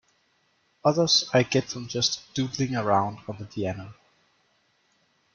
Others I get from just doodlin' around on the piano.